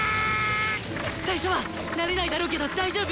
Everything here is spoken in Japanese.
最初は慣れないだろうけど大丈夫！